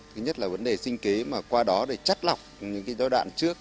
thứ nhất là vấn đề sinh kế mà qua đó để chắc lọc những giai đoạn trước